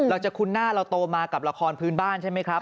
คุ้นหน้าเราโตมากับละครพื้นบ้านใช่ไหมครับ